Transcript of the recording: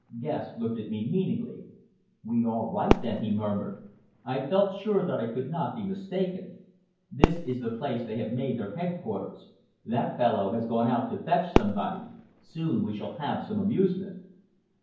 Guest looked at me meaningly. "We are right then," he murmured. "I felt sure that I could not be mistaken. This is the place they have made their headquarters. That fellow has gone out to fetch somebody. Soon we shall have some amusement."